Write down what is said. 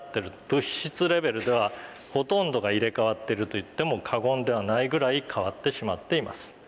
物質レベルではほとんどが入れ替わってると言っても過言ではないぐらい変わってしまっています。